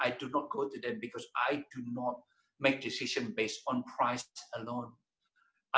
saya tidak pergi ke mereka karena saya tidak membuat keputusan berdasarkan harga